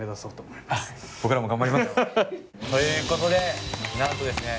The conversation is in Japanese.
僕らも頑張ります！ということでなんとですね